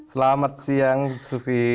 selamat siang sufi